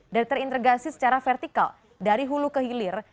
dan terintegrasi secara vertikal dari hulu ke hilir